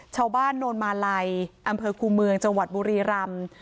โนนมาลัยอำเภอคูเมืองจังหวัดบุรีรำ